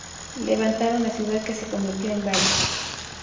Levantaron la ciudad que se convirtió en Valle.